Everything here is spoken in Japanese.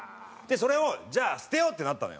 それをじゃあ捨てようってなったのよ。